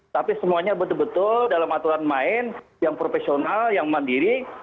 tapi semuanya betul betul dalam aturan main yang profesional yang mandiri